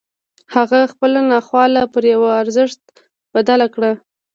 هغه خپله ناخواله پر يوه ارزښت بدله کړه.